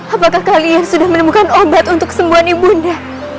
apakah kalian sudah menemukan obat untuk sembuhani ibu nda